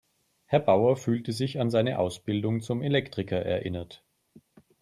Herr Bauer fühlte sich an seine Ausbildung zum Elektriker erinnert.